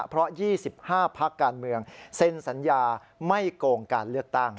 เพราะ๒๕พักการเมืองเซ็นสัญญาไม่โกงการเลือกตั้ง